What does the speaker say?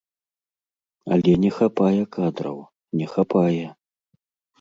Але не хапае кадраў, не хапае.